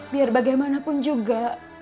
biar bagaimanapun juga